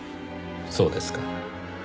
そうですか。